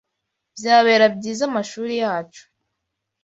byabera byiza amashuri yacu